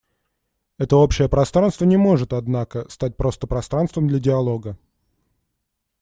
Это общее пространство не может, однако, стать просто пространством для диалога.